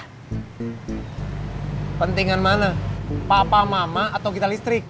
kepentingan mana papa mama atau kita listrik